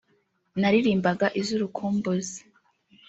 naririmbaga iz’urukumbuzi